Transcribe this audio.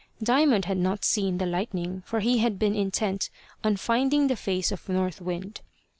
Diamond had not seen the lightning, for he had been intent on finding the face of North Wind.